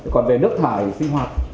còn về nước thải sinh hoạt